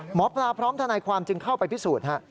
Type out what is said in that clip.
หมอปลาพร้อมทนายความจึงเข้าไปพิสูจน์